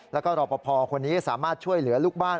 แล้วก็รอปภคนนี้สามารถช่วยเหลือลูกบ้าน